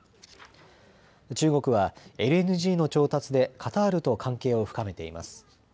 中国はＬＮＧの調達でカタールと関係を深めています。